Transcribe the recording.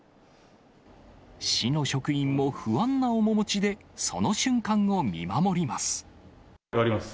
市の職員も不安な面持ちで、その瞬間を見守ります。